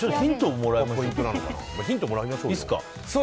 ヒントもらいましょうか。